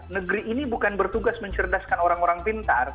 negeri ini bukan bertugas mencerdaskan orang orang pintar